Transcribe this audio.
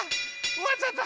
おわっちゃった。